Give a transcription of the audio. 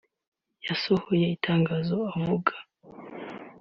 yasohoye itangazo avuga